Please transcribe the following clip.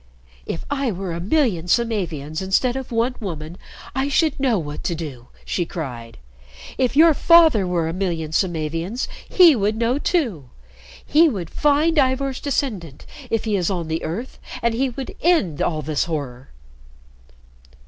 "If I were a million Samavians instead of one woman, I should know what to do!" she cried. "If your father were a million Samavians, he would know, too. He would find Ivor's descendant, if he is on the earth, and he would end all this horror!"